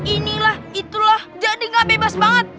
inilah itulah jadi gak bebas banget